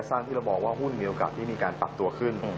สร้างที่เรามองว่าหุ้นในโอกาสที่การปรับตัวขึ้น